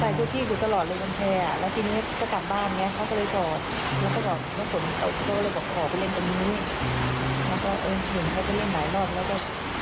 แล้วก็เอิญเผื่อเขาไปเล่นหลายรอบแล้วก็เล่นตรงนี้